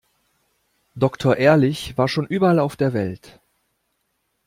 Doktor Ehrlich war schon überall auf der Welt.